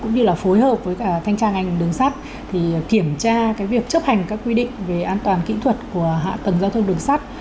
cũng như là phối hợp với thanh tra ngành đường sắt kiểm tra việc chấp hành các quy định về an toàn kỹ thuật của hạ tầng giao thông đường sắt